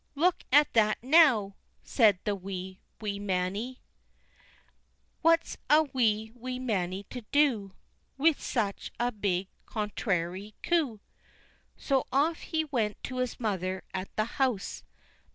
"Look at that, now!" said the wee, wee Mannie: "What's a wee, wee Mannie to do, Wi' such a big contrairy coo?" So off he went to his mother at the house.